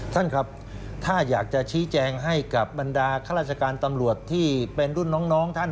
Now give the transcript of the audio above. ท่านครับถ้าอยากจะชี้แจงให้กับบรรดาข้าราชการตำรวจที่เป็นรุ่นน้องท่าน